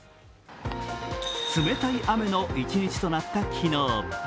冷たい雨の一日となった昨日。